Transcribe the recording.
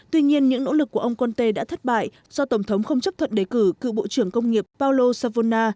tuy nhiên những nỗ lực của ông conte đã thất bại do tổng thống không chấp thuận đề cử cựu bộ trưởng công nghiệp paolo savona